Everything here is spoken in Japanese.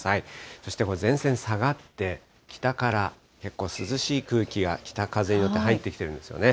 そしてこれ、前線下がって、北から結構涼しい空気が北風に乗って入ってきているんですよね。